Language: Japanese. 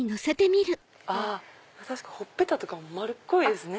確かにほっぺたとかも丸っこいですね。